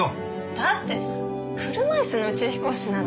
だって車いすの宇宙飛行士なんて。